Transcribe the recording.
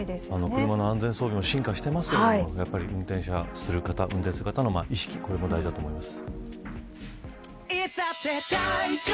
車の安全装置も進化していますが運転する方の意識も大事だと思います。